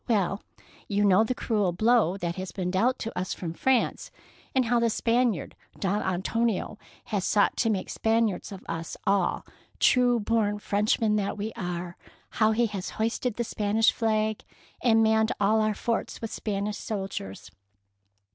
" Well you know the cruel blow 202 THE PEAKL NECKLACE that has been dealt to us from France, and how the Spaniard Don Antonio has sought to make Spaniards of us all, — true born Frenchmen that we are ; how he has hoisted the Spanish flag, and manned all our forts with Spanish soldiers.